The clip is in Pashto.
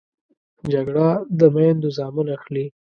جګړه د میندو زامن اخلي